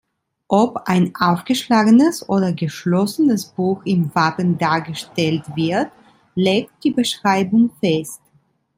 Ob ein aufgeschlagenes oder geschlossenes Buch im Wappen dargestellt wird, legt die Beschreibung fest.